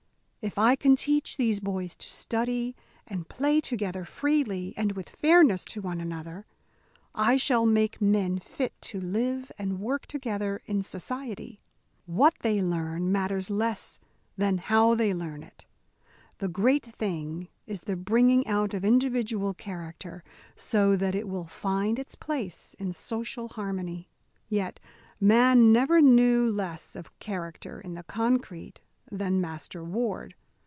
If I can teach these boys to study and play together freely and with fairness to one another, I shall make men fit to live and work together in society. What they learn matters less than how they learn it. The great thing is the bringing out of individual character so that it will find its place in social harmony." Yet never man knew less of character in the concrete than Master Ward.